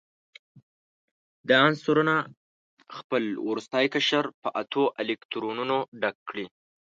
دا عنصرونه خپل وروستی قشر په اتو الکترونونو ډک کړي.